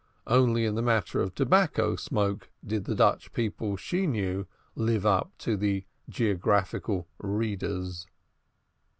Only in the matter of tobacco smoke did the Dutch people she knew live up to the geographical "Readers."